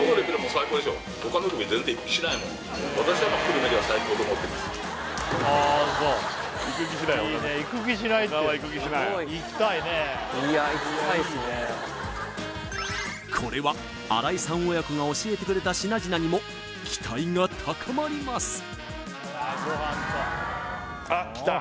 そういいねこれは新井さん親子が教えてくれた品々にも期待が高まりますあきた